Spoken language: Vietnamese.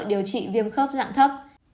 điều trị viêm khớp dạng thấp